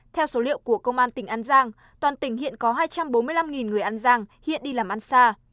theo số liệu của công an tỉnh an giang toàn tỉnh hiện có hai trăm bốn mươi năm người an giang hiện đi làm ăn xa